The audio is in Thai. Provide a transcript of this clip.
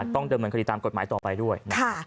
ต้องดำเนินคดีตามกฎหมายต่อไปด้วย